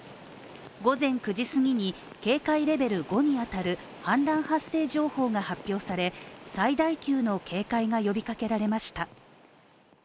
午前９時すぎに警戒レベル５に当たる氾濫発生情報が発表され最大級の警戒が呼びかけられました。